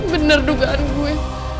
bener dugaan gue